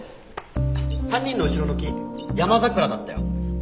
３人の後ろの木ヤマザクラだったよ。